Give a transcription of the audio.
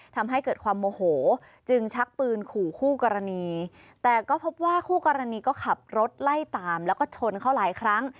ทำให้เกิดความโมโหจึงชักปืนขู่คู่กรณีแต่ก็พบว่าคู่กรณีก็ขับรถไล่ตามแล้วก็ชนเขาหลายครั้ง